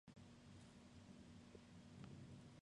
Entre ellos, el lobo y el águila real.